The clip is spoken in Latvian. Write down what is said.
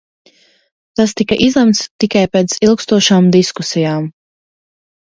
Tas tika izlemts tikai pēc ilgstošām diskusijām.